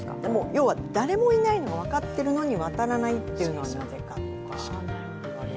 要は誰もいないのが分かっているのに渡らないっていうのはなぜかって。